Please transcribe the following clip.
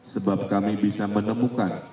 sebab kami bisa menemukan